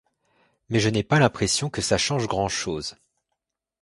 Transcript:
Mais je n'ai pas l'impression que ça change grandchose.